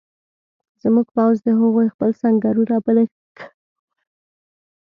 زموږ پوځ د هغوی خپل سنګرونه په نښه کول